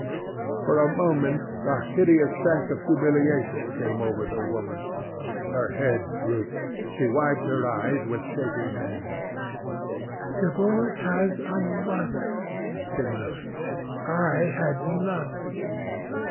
For a moment a hideous sense of humiliation came over the woman. Her head drooped. She wiped her eyes with shaking hands. "Sibyl has a mother," she murmured; "I had none."